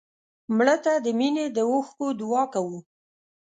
مړه ته د مینې د اوښکو دعا کوو